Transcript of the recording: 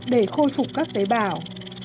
để khôi phục các tế bào